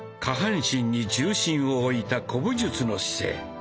下半身に重心を置いた古武術の姿勢。